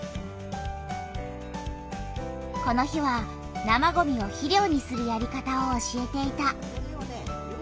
この日は生ごみを肥料にするやり方を教えていた。